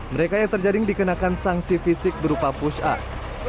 mereka yang terjaring dikenakan sanksi fisik berupa push up